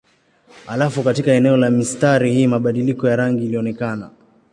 Halafu katika eneo la mistari hii mabadiliko ya rangi ilionekana.